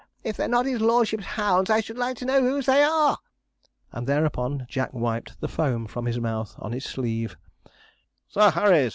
If they're not his lordship's hounds, I should like to know whose they are?' and thereupon Jack wiped the foam from his mouth on his sleeve. 'Sir Harry's!'